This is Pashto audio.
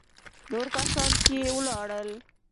نور کسان چې ولاړل.